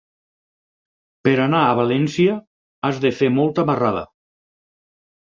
Per anar a València has de fer molta marrada.